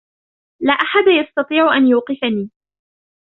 لا أحد يستطيع أن يوقفني.